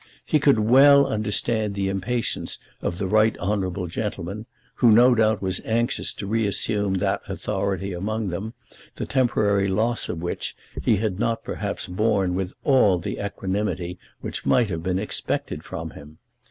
He could well understand the impatience of the right honourable gentleman, who no doubt was anxious to reassume that authority among them, the temporary loss of which he had not perhaps borne with all the equanimity which might have been expected from him.